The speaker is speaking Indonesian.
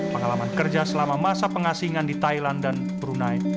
pengalaman kerja selama masa pengasingan di thailand dan brunei